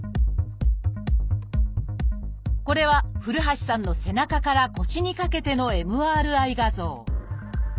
これは古橋さんの背中から腰にかけてのＭＲＩ画像。